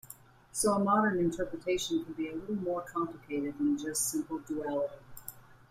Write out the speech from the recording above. So a modern interpretation can be a little more complicated than just simple duality.